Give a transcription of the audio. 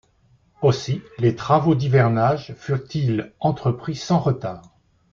Aussi les travaux d’hivernage furent-ils entrepris sans retard